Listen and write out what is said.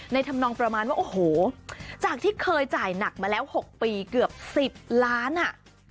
ทำนองประมาณว่าโอ้โหจากที่เคยจ่ายหนักมาแล้ว๖ปีเกือบ๑๐ล้านอ่ะ